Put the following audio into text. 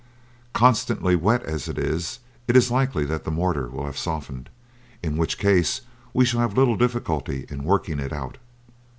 Constantly wet as it is, it is likely that the mortar will have softened, in which case we shall have little difficulty in working it out."